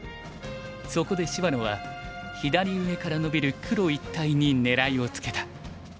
そこで芝野は左上から伸びる黒一帯に狙いをつけた。